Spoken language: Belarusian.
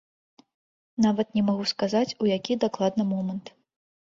Нават не магу сказаць, у які дакладна момант.